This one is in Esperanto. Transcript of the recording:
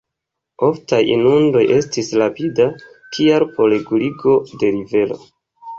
Oftaj inundoj estis rapida kialo por reguligo de rivero.